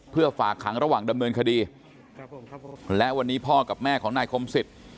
เพื่อฝากขังระหว่างดำเนินคดีและวันนี้พ่อกับแม่ของนายคมสิทธิ์